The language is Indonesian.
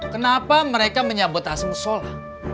kenapa mereka menyabot asmusola